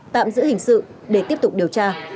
tạm giữ hình sự để tiếp tục điều tra